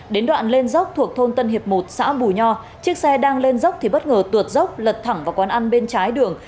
đến đoạn lên dốc thuộc thôn tân hiệp một xã bù nho chiếc xe đang lên dốc thì bất ngờ tuột dốc lật thẳng vào quán ăn bên trái đường